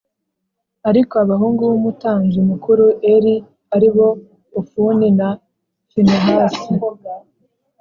Ariko abahungu b umutambyi mukuru Eli ari bo Hofuni na Finehasi